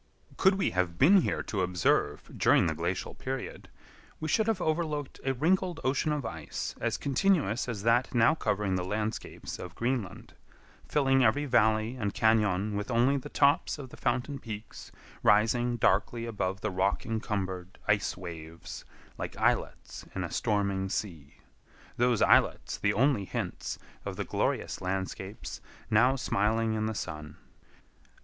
Could we have been here to observe during the glacial period, we should have overlooked a wrinkled ocean of ice as continuous as that now covering the landscapes of Greenland; filling every valley and cañon with only the tops of the fountain peaks rising darkly above the rock encumbered ice waves like islets in a stormy sea—those islets the only hints of the glorious landscapes now smiling in the sun.